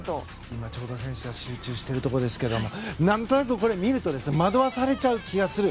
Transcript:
今、ちょうど選手が集中しているところですけれども何となく、見ると惑わされちゃう気がする。